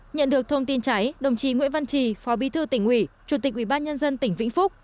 nhận được thông tin cháy đồng chí nguyễn văn trì phó bi thư tỉnh ủy chủ tịch ủy ban nhân dân tỉnh vĩnh phúc